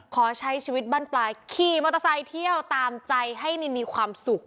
ขอใช้ชีวิตบ้านปลายขี่มอเตอร์ไซค์เที่ยวตามใจให้มินมีความสุข